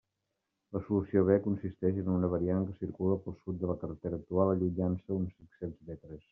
La solució B consisteix en una variant que circula pel sud de la carretera actual, allunyant-se uns cinc-cents metres.